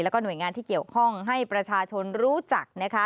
แล้วก็หน่วยงานที่เกี่ยวข้องให้ประชาชนรู้จักนะคะ